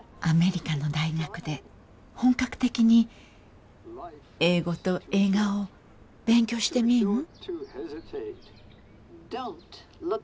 アメリカの大学で本格的に英語と映画を勉強してみん？